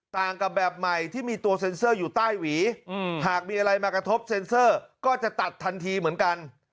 ต่างกับแบบใหม่ที่มีตัวเซ็นเซอร์อยู่ใต้หวีหากมีอะไรมากระทบเซ็นเซอร์ก็จะตัดทันทีเหมือนกัน